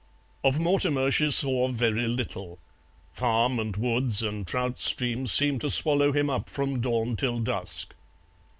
Of Mortimer she saw very little; farm and woods and trout streams seemed to swallow him up from dawn till dusk.